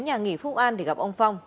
nhà nghỉ phúc an để gặp ông phong